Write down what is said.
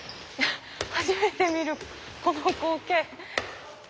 初めて見るこの光景。